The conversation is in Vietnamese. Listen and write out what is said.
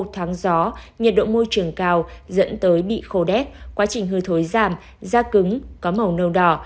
một tháng gió nhiệt độ môi trường cao dẫn tới bị khô đét quá trình hư thối giảm da cứng có màu nâu đỏ